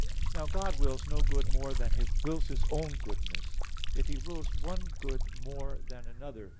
Now God wills no good more than He wills His own goodness; yet He wills one good more than another.